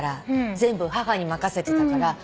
全部母に任せてたから。